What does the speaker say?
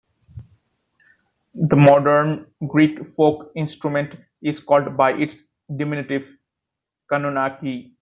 The modern Greek folk instrument is called by its diminutive, "kanonaki".